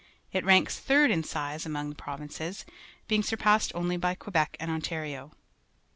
It ranks tliird in size among the provinces, being surpassed only by Quebec and Ontario.